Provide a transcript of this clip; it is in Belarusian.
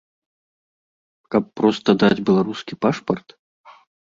Каб проста даць беларускі пашпарт?